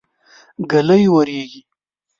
ږلۍ وريږي.